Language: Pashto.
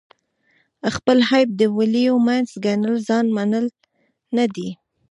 خپل عیب د ولیو منځ ګڼل ځان منل نه دي.